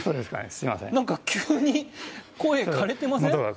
すいません何か急に声枯れてません？